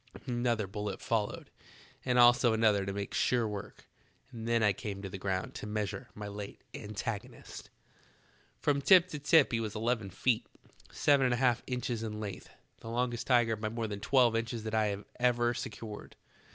Another bullet followed, and also another to make sure work, and then I came to the ground to meas ure my late antagonist. "From tip to tip he was eleven feet, seven and a half inches in length, the longest tiger by more than twelve inches that I ever secured.